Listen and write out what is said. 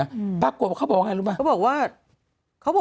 เขาไม่ได้เห็นด้านในบ้านอะไรอย่างนี้เราไม่เห็นเพราะว่าทุกวันเขาก็อุ้ม